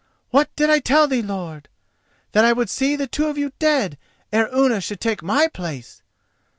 What did I tell thee, lord?—that I would see the two of you dead ere Unna should take my place!